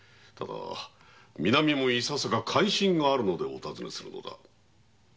ただ南もいささか関心があるのでお尋ねするのだ。